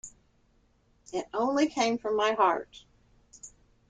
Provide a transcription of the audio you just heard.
It only came from my heart.